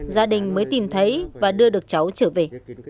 gia đình mới tìm thấy và đưa được cháu trở về